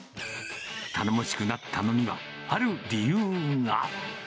頼もしくなったのには、ある理由が。